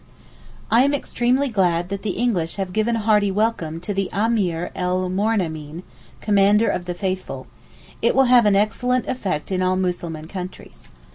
I am extremely glad that the English have given a hearty welcome to the Ameer el Moornemeen (Commander of the Faithful); it will have an excellent effect in all Mussulman countries.